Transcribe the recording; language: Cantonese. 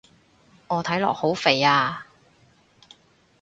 我睇落好肥啊